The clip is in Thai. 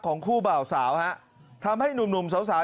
ของคู่เบ่าสาวทำให้หนุ่มสาว